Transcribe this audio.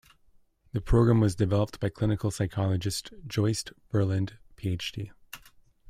The program was developed by Clinical Psychologist Joyce Burland, PhD.